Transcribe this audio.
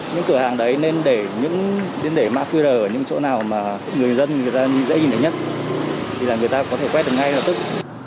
những cửa hàng đấy nên để mã qr ở những chỗ nào mà người dân dễ nhìn thấy nhất thì người ta có thể quét được ngay lập tức